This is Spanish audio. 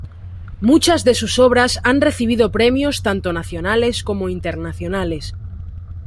Muchas de sus obras han recibido premios tanto nacionales como internacionales.